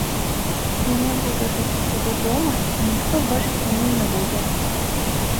Я не буду жыць у сябе дома, і ніхто бачыць мяне не будзе.